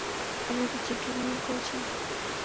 আমরা কী চিত্রগ্রহণ করছি?